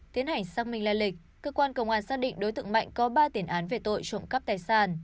tiến hành xác minh lai lịch cơ quan công an xác định đối tượng mạnh có ba tiền án về tội trộm cắp tài sản